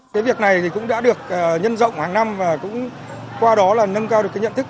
cái việc này thì cũng đã được nhân rộng hàng năm và cũng qua đó là nâng cao được cái nhận thức